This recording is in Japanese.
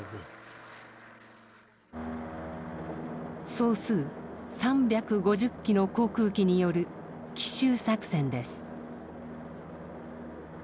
総数３５０機の航空機による奇襲作戦です。